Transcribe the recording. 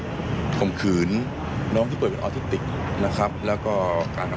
ทีนี้ก็ไม่อยากจะให้ข้อมูลอะไรมากนะกลัวจะเป็นการตอกย้ำเสียชื่อเสียชื่อเสียงให้กับครอบครัวของผู้เสียหายนะคะ